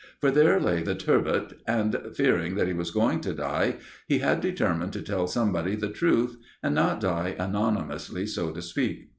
For there lay the "Turbot," and fearing that he was going to die, he had determined to tell somebody the truth, and not die anonymously, so to speak.